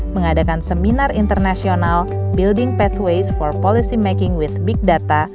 mengadakan seminar internasional building pathways for policy making with big data